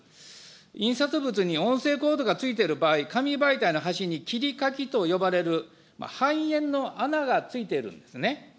印刷物に音声コードがついている場合、紙媒体の端に切り欠きと呼ばれる半円の穴がついているんですね。